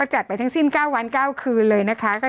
จัดไปทั้งสิ้น๙วัน๙คืนเลยนะคะ